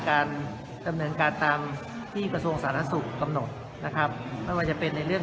การดำเนินการตามที่กระทรวงสาธารณสุขกำหนดนะครับไม่ว่าจะเป็นในเรื่อง